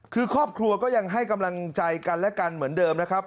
คือครอบครัวก็ยังให้กำลังใจกันและกันเหมือนเดิมนะครับ